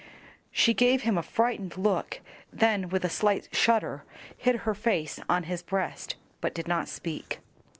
She gave him a frightened look, then, with a slight shudder, hid her face on his breast, but did not speak.